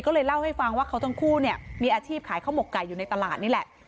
ก็เลยเล่าให้ฟังว่าเขาทั้งคู่เนี่ยมีอาชีพขายข้าวหมกไก่อยู่ในตลาดนี่แหละ